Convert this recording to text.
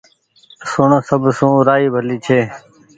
سڻ سب سون رآئي ڀلي ڇي